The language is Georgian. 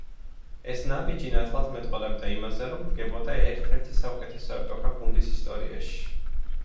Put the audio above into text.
ეს ნაბიჯი ნათლად მეტყველებდა იმაზე, რომ დგებოდა ერთ-ერთი საუკეთესო ეპოქა გუნდის ისტორიაში.